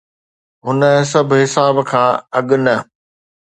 هن سڀ حساب کان اڳ نه.